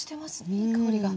いい香りが。